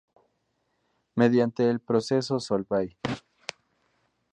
Mediante el proceso Solvay.